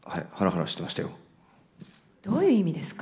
どういう意味ですか？